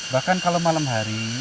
bahkan kalau malam hari